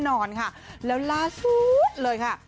นอนค่ะแล้วล่าสุดเลยค่ะ